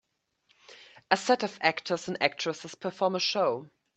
A set of actors and actresses perform a show.